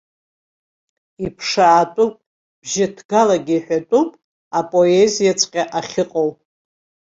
Иԥшаатәуп, бжьыҭгалагьы иҳәатәуп апоезиаҵәҟьа ахьыҟоу.